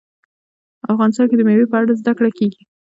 افغانستان کې د مېوې په اړه زده کړه کېږي.